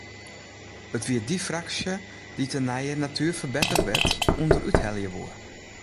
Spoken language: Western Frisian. It wie dy fraksje dy’t de natuerferbetterwet ûnderúthelje woe.